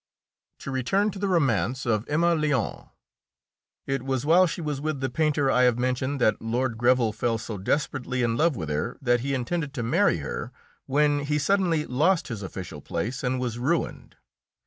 To return to the romance of Emma Lyon. It was while she was with the painter I have mentioned that Lord Greville fell so desperately in love with her that he intended to marry her, when he suddenly lost his official place and was ruined.